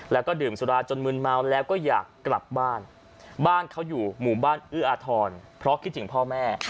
แล้วก็ดื่มสุราจนมืนเมาแล้วก็อยากกลับบ้านบ้านเขาอยู่หมู่บ้านเอื้ออาทรเพราะคิดถึงพ่อแม่